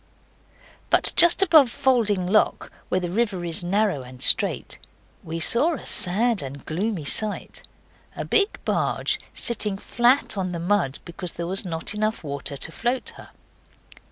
But just above Falding Lock, where the river is narrow and straight, we saw a sad and gloomy sight a big barge sitting flat on the mud because there was not water enough to float her.